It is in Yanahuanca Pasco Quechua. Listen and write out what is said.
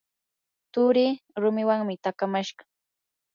turii rumiwanmi takamashqa.